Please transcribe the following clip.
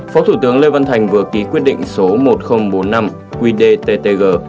phó thủ tướng lê văn thành vừa ký quyết định số một nghìn bốn mươi năm qdttg